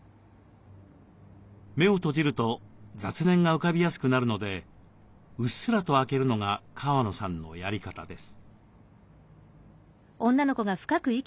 目を閉じると雑念が浮かびやすくなるのでうっすらと開けるのが川野さんのやり方です。